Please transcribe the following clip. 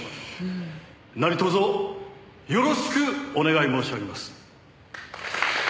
「何卒よろしくお願い申し上げます」